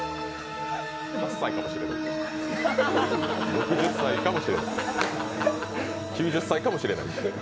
８歳かもしれん、６０歳かもしれない９０歳かもしれない。